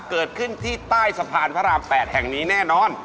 เกิดขึ้นที่ใต้สะพานพระราม๘แห่งนี้แน่นอน